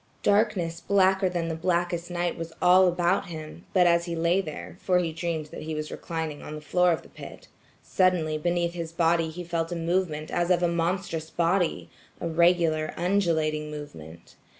Darkness blacker than the blackest night was all about him; but as he lay there, for he dreamed that he was reclining on the floor of the pit, suddenly beneath his body he felt a movement as of a monstrous body–a regular undulating movement.